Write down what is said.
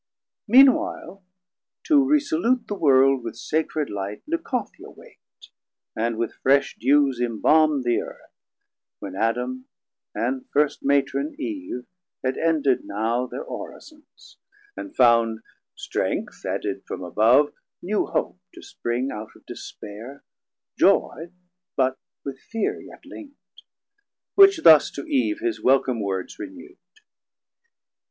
Meanwhile To resalute the World with sacred Light Leucothea wak'd, and with fresh dews imbalmd The Earth, when Adam and first Matron Eve Had ended now thir Orisons, and found, Strength added from above, new hope to spring Out of despaire, joy, but with fear yet linkt; Which thus to Eve his welcome words renewd.